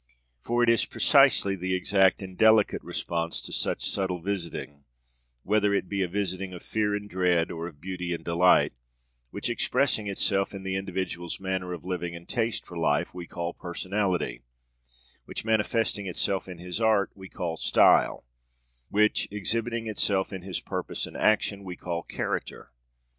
For it is precisely the exact and delicate response to such subtle visitings, whether it be a visiting of fear and dread or of beauty and delight, which, expressing itself in the individual's manner of living and taste for life, we call personality; which, manifesting itself in his art, we call style; which, exhibiting itself in his purpose and action, we call character.